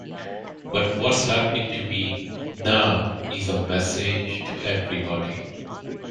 But what's happening to me now is a message to everybody.